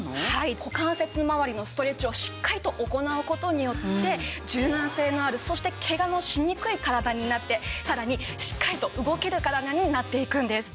股関節まわりのストレッチをしっかりと行う事によって柔軟性のあるそしてケガのしにくい体になってさらにしっかりと動ける体になっていくんです。